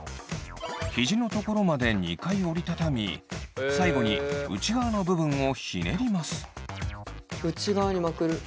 ヒジの所まで２回折り畳み最後に内側の部分をひねります。